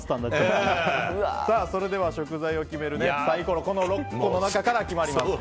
それでは食材を決めるサイコロ６個の中から決まります。